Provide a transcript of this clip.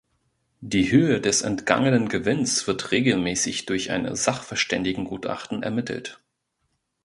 Die Höhe des entgangenen Gewinns wird regelmäßig durch ein Sachverständigengutachten ermittelt.